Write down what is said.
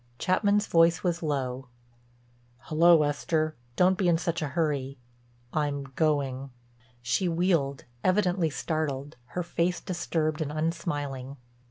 Chapman's voice was low: "Hullo, Esther. Don't be in such a hurry. I'm going." She wheeled, evidently startled, her face disturbed and unsmiling.